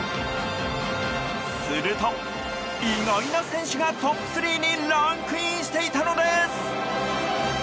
すると、意外な選手がトップ３にランクインしていたのです。